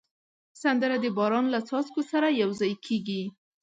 سندره د باران له څاڅکو سره یو ځای کېږي